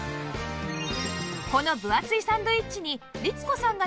この分厚いサンドイッチに律子さんがチャレンジ